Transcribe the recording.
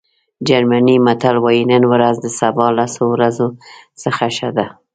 جرمني متل وایي نن ورځ د سبا لسو ورځو څخه ښه ده.